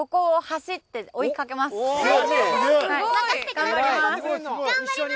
頑張ります。